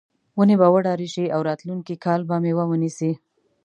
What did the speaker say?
ونې به وډارې شي او راتلونکي کال به میوه ونیسي.